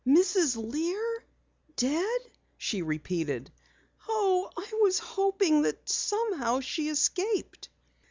"Mrs. Lear dead," she repeated. "Oh, I was hoping that somehow she escaped."